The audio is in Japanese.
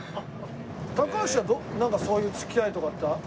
高橋はなんかそういう付き合いとかって。